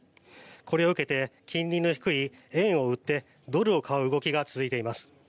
これを受けて金利の低い円を売ってドルを買う動きが続いています。